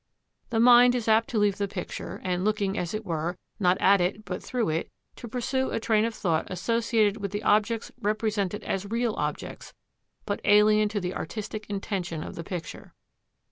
The mind is apt to leave the picture and looking, as it were, not at it but through it, to pursue a train of thought associated with the objects represented as real objects, but alien to the artistic intention of the picture.